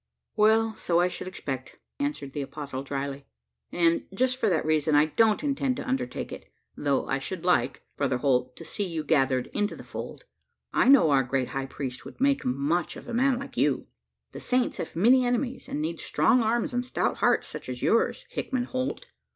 "Well, so I should expect," answered the apostle drily; "and, just for that reason, I don't intend to undertake it: though I should like, Brother Holt, to see you gathered into the fold. I know our great High Priest would make much of a man like you. The Saints have many enemies; and need strong arms and stout hearts such as yours, Hickman Holt.